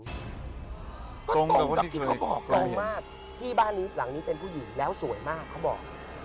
ตรงกับที่เขาบอกตรงมากที่บ้านหลังนี้เป็นผู้หญิงแล้วสวยมากเขาบอก